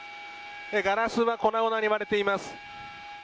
ガラスは粉々に割れています。